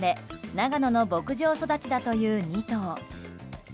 長野の牧場育ちだという２頭。